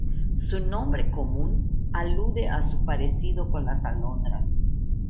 Su nombre común alude a su parecido con las alondras.